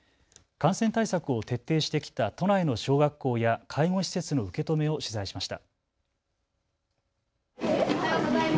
感染対策を徹底してきた都内の小学校や介護施設の受け止めを取材しました。